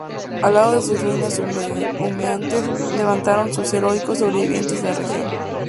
Al lado de sus ruinas humeantes, levantaron sus heroicos sobrevivientes de la región.